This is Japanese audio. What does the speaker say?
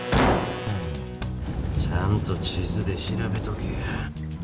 ちゃんと地図で調べとけや。